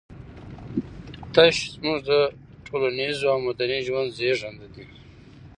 تش زموږ د ټولنيز او مدني ژوند زېږنده دي.